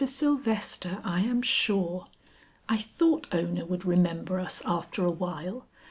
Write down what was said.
Sylvester I am sure! I thought Ona would remember us after a while.